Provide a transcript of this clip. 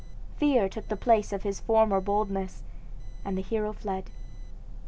Fear took the place of his former boldness, and the hero fled.